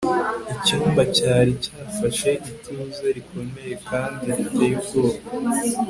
Icyumba cyari cyafashe ituze rikomeye kandi riteye ubwoba